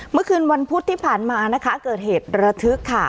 เมื่อคืนวันพุธที่ผ่านมานะคะเกิดเหตุระทึกค่ะ